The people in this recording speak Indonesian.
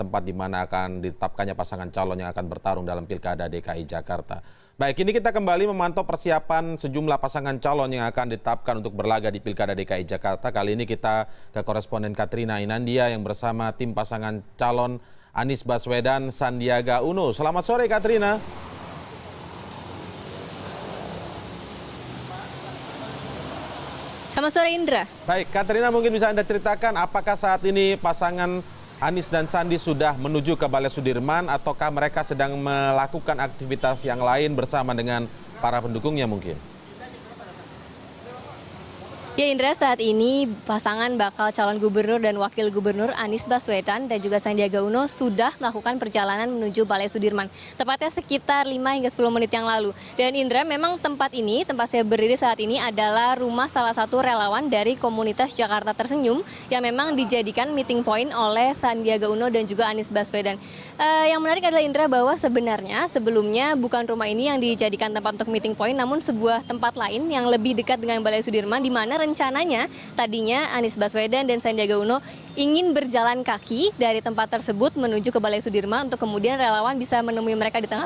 memang ada penetapan pasangan calon di balai sudirman tentang pilkara dki jakarta